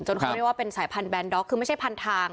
เขาเรียกว่าเป็นสายพันธแนนด็อกคือไม่ใช่พันทาง